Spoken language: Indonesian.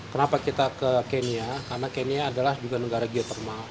kenapa kita ke kenya karena kenya adalah juga negara geothermal